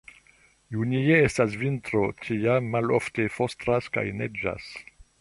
Junie estas vintro, tiam malofte frostas kaj neĝas.